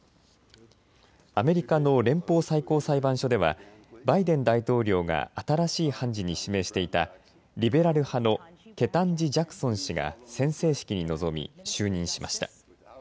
アメリカの連邦最高裁判所ではバイデン大統領が新しい判事に指名していたリベラル派のケタンジ・ジャクソン氏が宣誓式に臨み就任しました。